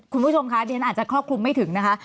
คุณผู้ชมคะดิฉันอาจจะครอบคลุมไม่ถึงนะคะ